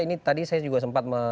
ini tadi saya juga sempat